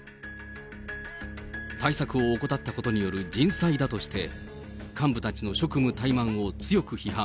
対策を怠ったことによる人災だとして、幹部たちの職務怠慢を強く批判。